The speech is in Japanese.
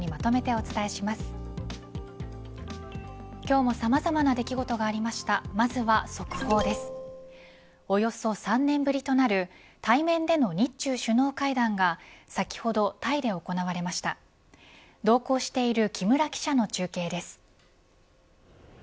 およそ３年ぶりとなる対面での日中首脳会談が先ほど、タイで行われました同行している木村記者の中継です。